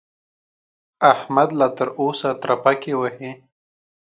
احمد لا تر اوسه ترپکې وهي.